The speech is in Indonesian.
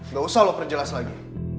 nggak usah lo perjelas lagi